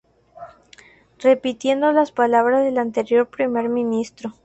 Repitiendo las palabras del anterior primer ministro.